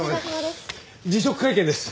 辞職会見です。